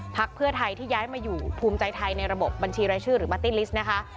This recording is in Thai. เพื่อไทยที่ย้ายมาอยู่ภูมิใจไทยในระบบบัญชีรายชื่อหรือมาร์ตี้ลิสต์นะคะ